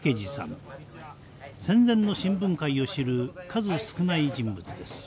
戦前の新聞界を知る数少ない人物です。